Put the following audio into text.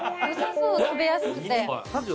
そう食べやすくて。